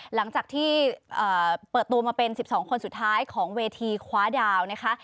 หลังจากที่เปิดตัวมาเป็น๑๒คนสุดท้ายของเวทีคว้าดาวนะคะ